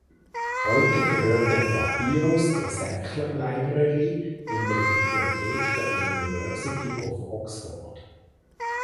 Heute gehört der Papyrus zur Sackler Library in der Bibliothek der University of Oxford.